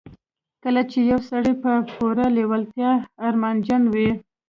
کله چې يو سړی په پوره لېوالتیا ارمانجن وي.